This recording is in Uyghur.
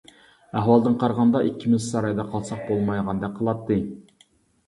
ئەھۋالدىن قارىغاندا ئىككىمىز سارايدا قالساق بولمايدىغاندەك قىلاتتى.